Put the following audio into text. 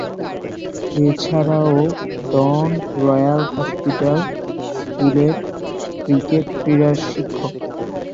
এছাড়াও Don Royal Hospital স্কুলের cricket ক্রীড়ার শিক্ষক।